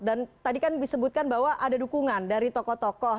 dan tadi kan disebutkan bahwa ada dukungan dari tokoh tokoh